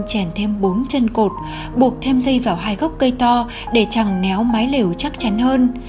chèn thêm bốn chân cột buộc thêm dây vào hai gốc cây to để chẳng néo mái lều chắc chắn hơn